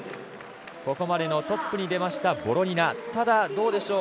ここまでのトップに出ましたボロニナ。